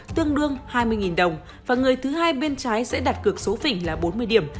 tương đương hai mươi đồng và người thứ hai bên trái sẽ đặt cược số phỉnh là bốn mươi điểm